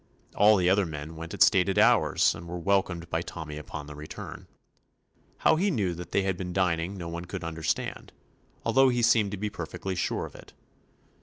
All the other men went at stated hours, and were welcomed by Tommy upon their return. How he 58 TOMMY POSTOFFICE knew that they had been dining no one could understand, although he seemed to be perfectly sure of it.